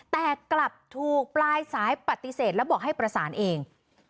แต่กลับถูกปลายสายปฏิเสธแล้วบอกให้ประสานเอง